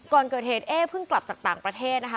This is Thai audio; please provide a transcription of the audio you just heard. ก่อนเกิดเหตุเอ๊เพิ่งกลับจากต่างประเทศนะคะ